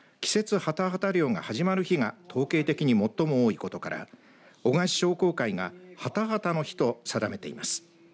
ハタハタ漁が始まる日が統計的に最も多いことから男鹿市商工会がハタハタの日と定めています。